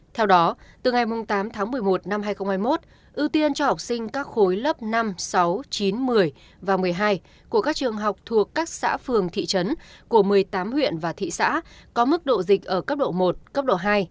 theo đó từ ngày tám tháng một mươi một năm hai nghìn hai mươi một ưu tiên cho học sinh các khối lớp năm sáu chín một mươi và một mươi hai của các trường học thuộc các xã phường thị trấn của một mươi tám huyện và thị xã có mức độ dịch ở cấp độ một cấp độ hai